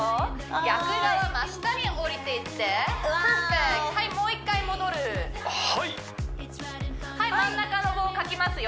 逆側真下に下りていってはいもう一回戻るはい真ん中の棒をかきますよ